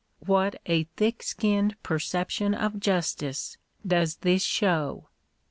What a thick skinned percep tion of justice does this show!